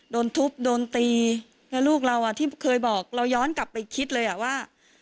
โดนทุบโดนตีแล้วลูกเราอ่ะที่เคยบอกเราย้อนกลับไปคิดเลยอ่ะว่า